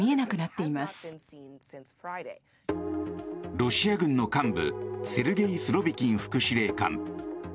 ロシア軍の幹部セルゲイ・スロビキン副司令官。